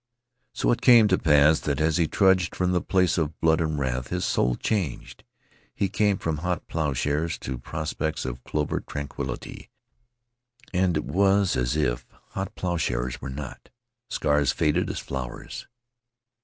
So it came to pass that as he trudged from the place of blood and wrath his soul changed. He came from hot plowshares to prospects of clover tranquilly, and it was as if hot plowshares were not. Scars faded as flowers.